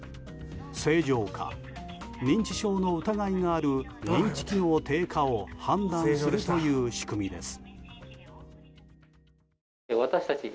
正常か認知症の疑いがある認知機能低下を判断するという仕組みです。